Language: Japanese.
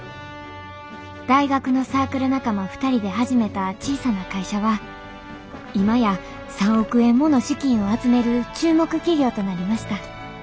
大学のサークル仲間２人で始めた小さな会社は今や３億円もの資金を集める注目企業となりました